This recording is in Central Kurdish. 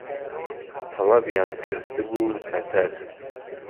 تهڵهبیان کرد بوو تهتەر